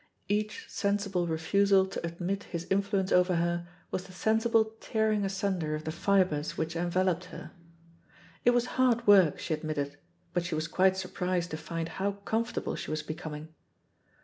Each sensible refusal to admit his influence over her was the sensible tearing asunder of the fibres which enveloped her. It was hard work, she admitted, but she was quite surprised to find how comfortable she was becoming.